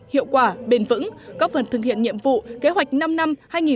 hiệu quả bền vững góp phần thực hiện nhiệm vụ kế hoạch năm năm hai nghìn hai mươi một hai nghìn hai mươi